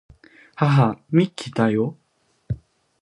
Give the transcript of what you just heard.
はは、ミッキーだよ